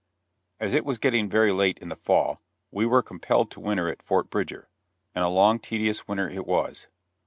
As it was getting very late in the fall, we were compelled to winter at Fort Bridger; and a long, tedious winter it was.